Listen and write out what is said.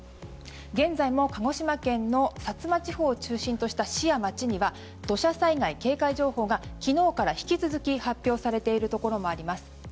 現在も鹿児島県の薩摩地方を中心とした市や町には土砂災害警戒情報が昨日から引き続き発表されているところもあります。